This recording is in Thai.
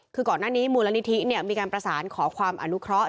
คือก่อนหน้านี้มูลนิธิมีการประสานขอความอนุเคราะห